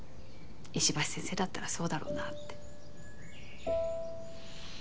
石橋先生だったらそうだろうなぁって。